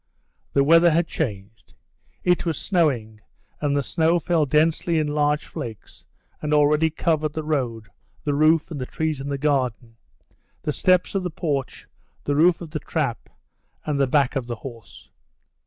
The weather had changed. It was snowing, and the snow fell densely in large flakes, and already covered the road, the roof and the trees in the garden, the steps of the porch, the roof of the trap and the back of the horse.